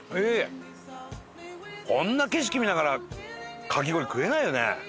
こんな景色見ながらかき氷食えないよね。